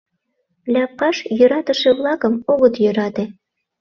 Ляпкаш йӧратыше-влакым огыт йӧрате.